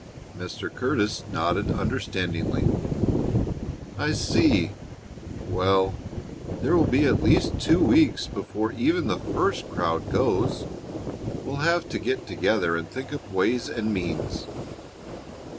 Mr. Curtis nodded understandingly. "I see. Well, there will be at least two weeks before even the first crowd goes. We'll have to get together and think up ways and means."